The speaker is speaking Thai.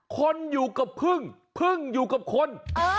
คนอยู่กับพึ่งพึ่งอยู่กับคน